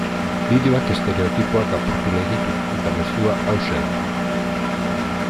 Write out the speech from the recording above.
Bideoak estereotipoak apurtu nahi ditu eta mezua hauxe da.